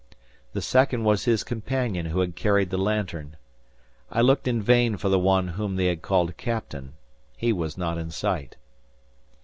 The second was his companion who had carried the lantern. I looked in vain for the one whom they had called Captain. He was not in sight.